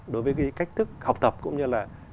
đối với cái cách thức học tập cũng như là